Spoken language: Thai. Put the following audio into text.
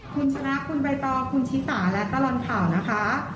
คุณชนะคุณใบตองคุณชิสาและตลอดข่าวนะคะ